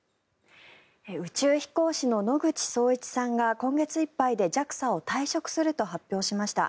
宇宙飛行士の野口聡一さんが今月いっぱいでＪＡＸＡを退職すると発表しました。